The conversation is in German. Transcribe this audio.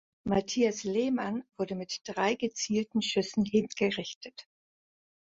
Matthias Lehmann wurde mit drei gezielten Schüssen hingerichtet.